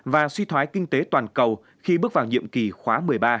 và suy thoái kinh tế toàn cầu khi bước vào nhiệm kỳ khóa một mươi ba